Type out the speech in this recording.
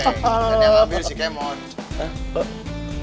ntar yang ambil si kemon